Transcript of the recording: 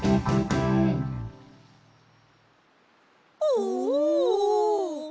おお！